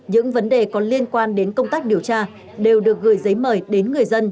những vấn đề có liên quan đến công tác điều tra đều được gửi giấy mời đến người dân